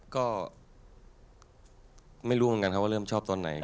ก็ไม่รู้เหมือนกันครับว่าเริ่มชอบตอนไหน